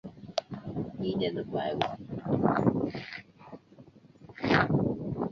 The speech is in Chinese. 鸭嘴薄壳蛤为薄壳蛤科薄壳蛤属下的一个种。